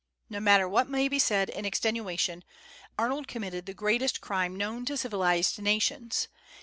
No matter what may be said in extenuation, Arnold committed the greatest crime known to civilized nations.